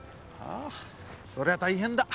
そりゃ大変だ。